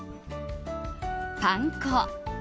パン粉。